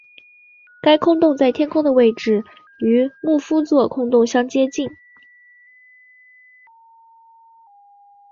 该空洞在天空中的位置与牧夫座空洞相接近。